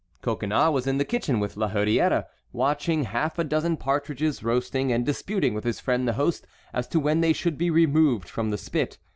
Coconnas was in the kitchen with La Hurière, watching half a dozen partridges roasting, and disputing with his friend the host as to when they should be removed from the spit.